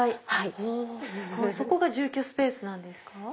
そこが住居スペースなんですか？